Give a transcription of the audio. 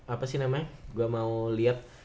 apa sih namanya gue mau lihat